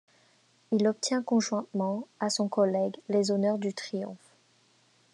Il obtient conjointement à son collègue les honneurs du triomphe.